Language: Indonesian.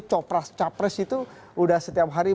copras capres itu udah setiap hari